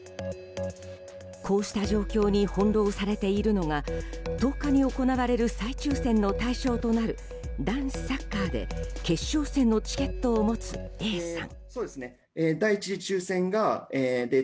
こうした状況に翻弄されているのが１０日に行われる再抽選の対象となる男子サッカーで決勝戦のチケットを持つＡさん。